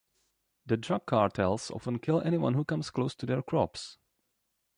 The drug cartels often kill anyone who comes close to their crops.